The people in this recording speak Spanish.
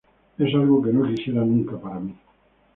Es algo que no quisiera nunca para mí".